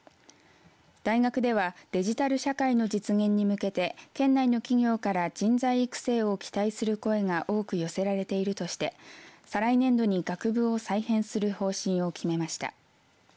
大学ではデジタル社会の実現に向けて県内の企業から人材育成を期待する声が多く寄せられているとして再来年度に学部を再編する方針を決めました。